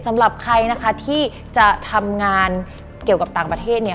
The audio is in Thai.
สำหรับใครนะคะที่จะทำงานเกี่ยวกับต่างประเทศเนี่ย